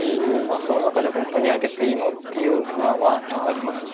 その中で本当にあげていいの？っていう不安はありました。